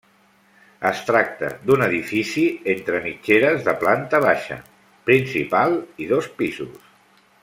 Es tracta d'un edifici entre mitgeres de planta baixa, principal i dos pisos.